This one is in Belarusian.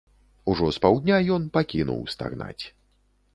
Ужо з паўдня ён пакінуў стагнаць.